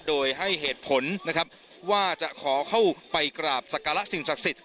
โดยให้เหตุผลนะครับว่าจะขอเข้าไปกราบสักการะสิ่งศักดิ์สิทธิ